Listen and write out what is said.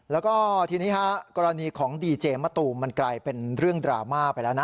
แล้วก็ทีนี้กรณีของดีเจมะตูมมันกลายเป็นเรื่องดราม่าไปแล้วนะ